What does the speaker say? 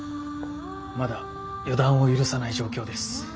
まだ予断を許さない状況です。